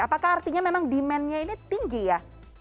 apakah artinya memang demandnya ini tinggi ya